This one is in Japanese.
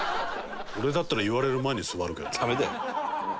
「俺だったら言われる前に座るけど」